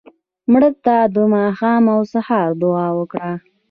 مړه ته د ماښام او سهار دعا وکړه